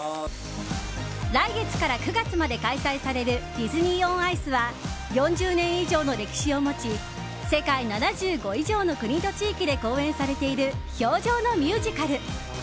来月から９月まで開催される「ディズニー・オン・アイス」は４０年以上の歴史を持ち世界７５以上の国と地域で公演されている氷上のミュージカル。